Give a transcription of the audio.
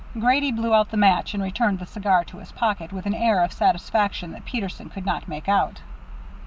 Grady blew out the match and returned the cigar to his pocket, with an air of satisfaction that Peterson could not make out.